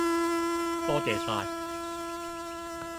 多謝晒